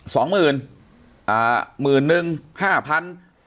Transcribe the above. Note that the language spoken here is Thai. สองหมื่นอ่าหมื่นนึงห้าพัน